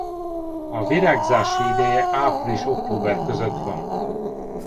A virágzási ideje április–október között van.